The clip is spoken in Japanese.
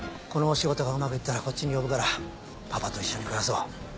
このお仕事がうまくいったらこっちに呼ぶからパパと一緒に暮らそう。